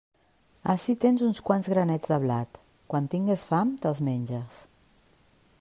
Ací tens uns quants granets de blat; quan tingues fam te'ls menges.